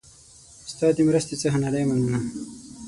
ستا د مرستې څخه نړۍ مننه